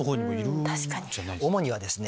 主にはですね